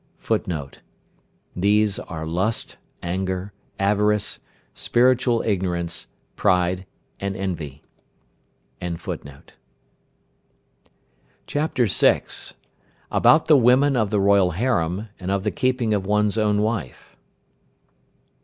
] [Footnote 70: These are Lust, Anger, Avarice, Spiritual Ignorance, Pride, and Envy.] CHAPTER VI. ABOUT THE WOMEN OF THE ROYAL HAREM; AND OF THE KEEPING OF ONE'S OWN WIFE.